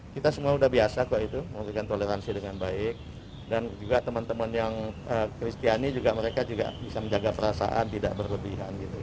kita semua sudah biasa kok itu memberikan toleransi dengan baik dan juga teman teman yang kristiani juga mereka juga bisa menjaga perasaan tidak berlebihan